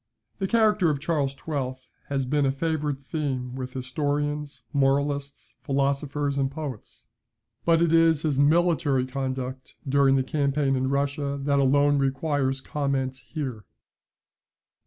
The character of Charles XII. has been a favourite theme with historians, moralists, philosophers, and poets. But it is his military conduct during the campaign in Russia that alone requires comment here.